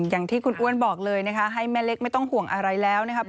อย่างที่คุณอ้วนบอกเลยนะคะให้แม่เล็กไม่ต้องห่วงอะไรแล้วนะครับ